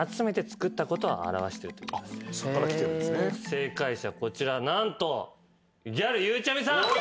正解者こちら何とギャルゆうちゃみさん！